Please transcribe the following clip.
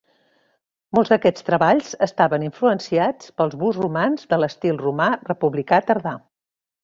Molts d'aquests treballs estaven influenciats pels busts romans de l'estil romà republicà tardà.